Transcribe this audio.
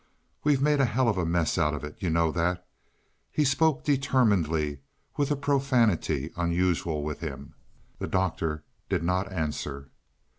We've made a hell of a mess of it, you know that." He spoke determinedly, with a profanity unusual with him. The Doctor did not answer.